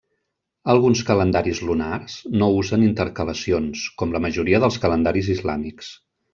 Alguns calendaris lunars no usen intercalacions, com la majoria dels calendaris islàmics.